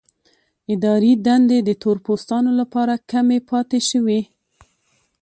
اداري دندې د تور پوستانو لپاره کمې پاتې شوې.